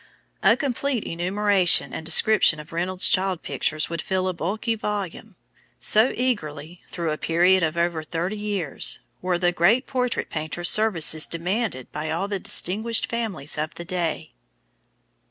A complete enumeration and description of Reynolds's child pictures would fill a bulky volume, so eagerly, through a period of over thirty years, were the great portrait painter's services demanded by all the distinguished families of the day.